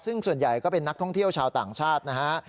ซึ่งส่วนใหญ่ก็เป็นนักท่องเที่ยวชาวต่างชาตินะฮะ